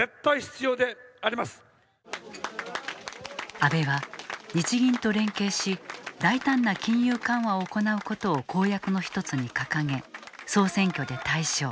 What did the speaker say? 安倍は日銀と連携し大胆な金融緩和を行うことを公約の一つに掲げ総選挙で大勝。